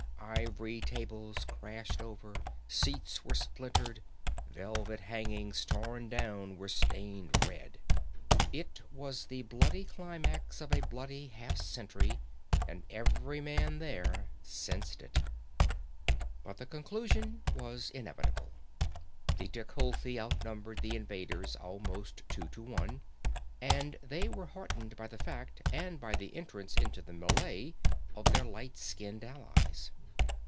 Ivory tables crashed over, seats were splintered, velvet hangings torn down were stained red. It was the bloody climax of a bloody half century, and every man there sensed it. But the conclusion was inevitable. The Tecuhltli outnumbered the invaders almost two to one, and they were heartened by that fact and by the entrance into the mêlée of their light skinned allies.